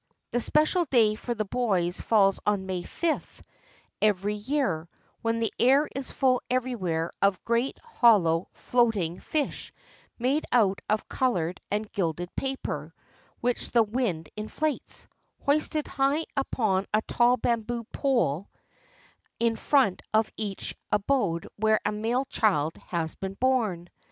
The special day for the boys falls on May 5 every year, when the air is full everywhere of great, hollow, floating fish made out of colored and gilded paper (which the wind inflates), hoisted high upon a tall bamboo pole 469 JAPAN in front of each abode where a male child has been born.